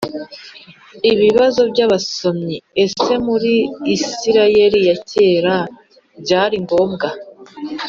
Ibibazo by abasomyi ese muri isirayeli ya kera byari ngombwa